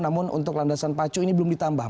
namun untuk landasan pacu ini belum ditambah